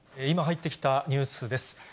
今入ってきたニュースです。